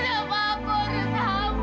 kenapa aku harus hampi